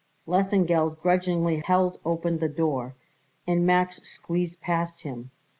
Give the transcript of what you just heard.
Lesengeld grudgingly held open the door, and Max squeezed past him.